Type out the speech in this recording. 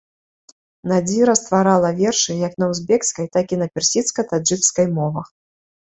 Надзіра стварала вершы як на узбекскай, так і на персідска-таджыкскай мовах.